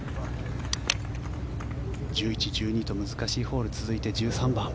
１１、１２と難しいホールが続いて１３番。